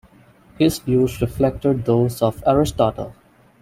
His views reflected those of Aristotle.